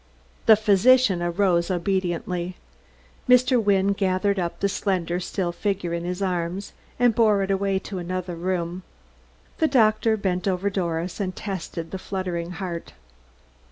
The physician arose obediently. Mr. Wynne gathered up the slender, still figure in his arms, and bore it away to another room. The doctor bent over Doris, and tested the fluttering heart.